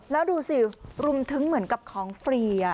แล้วดูสิรุมถึงเหมือนกับของฟรี